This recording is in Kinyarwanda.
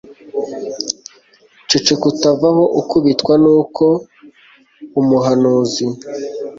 Ceceka utavaho ukubitwa Nuko umuhanuzi